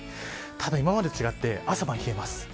たぶん今までと違って朝晩は冷えます。